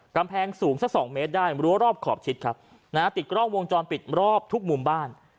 กำแพงสูงสัก๒เมตรได้รั้วรอบขอบชิดครับนะฮะติดกล้องวงจรปิดรอบทุกมุมบ้าน